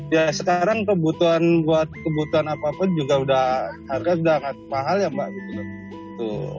ya sekarang kebutuhan buat kebutuhan apapun juga udah harga sudah mahal ya mbak gitu